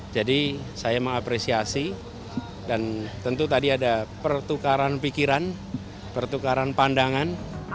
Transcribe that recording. jadi saya mengapresiasi dan tentu tadi ada pertukaran pikiran pertukaran pandangan